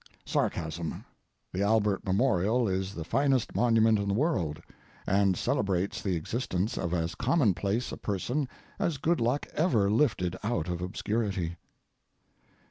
[Sarcasm. The Albert memorial is the finest monument in the world, and celebrates the existence of as commonplace a person as good luck ever lifted out of obscurity.